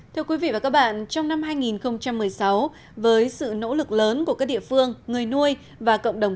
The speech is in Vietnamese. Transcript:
thưa quý vị và các bạn trong năm hai nghìn một mươi sáu với sự nỗ lực lớn của các địa phương người nuôi và cộng đồng